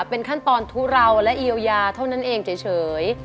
เป็นขั้นตอนทุเลาและเยียวยาเท่านั้นเองเฉย